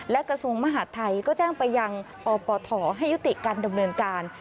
และกระทรวงมหาดไทยก็แจ้งไปยังอปทให้ยุติการดำเนินการ